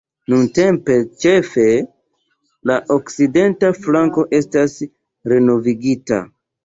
Nuntempe ĉefe la okcidenta flanko estas renovigita.